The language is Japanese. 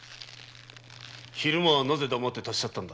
昼間はなぜ黙って立ち去ったのだ？